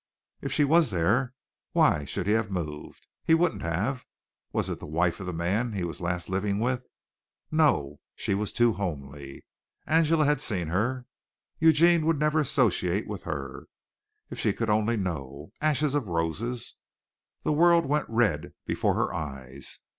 If she was there, why should he have moved? He wouldn't have. Was it the wife of the man he was last living with? No; she was too homely. Angela had seen her. Eugene would never associate with her. If she could only know! "Ashes of Roses!" The world went red before her eyes.